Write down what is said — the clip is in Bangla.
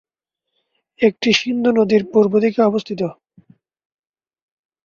এটি সিন্ধু নদীর পূর্বদিকে অবস্থিত।